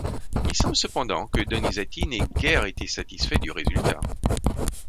Il semble cependant que Donizetti n'ait guère été satisfait du résultat.